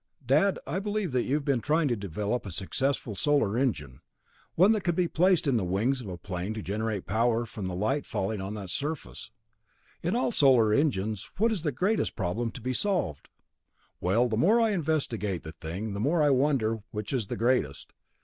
"Dad, I believe that you have been trying to develop a successful solar engine. One that could be placed in the wings of a plane to generate power from the light falling on that surface. In all solar engines what is the greatest problem to be solved?" "Well, the more I investigate the thing, the more I wonder which is the greatest.